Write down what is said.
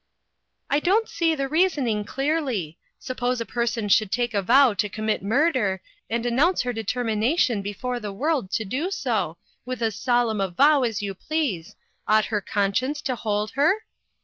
"I don't see the reasoning clearly. Sup pose a person should take a vow to commit murder, and announce her determination be fore the world to do so, with as solemn a vow as you please, ought her conscience to hold her?